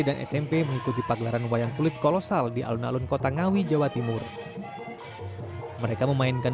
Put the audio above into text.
dan smp mengikuti pagelaran wayang kulit kolosal di alun alun kota ngawi jawa timur mereka memainkan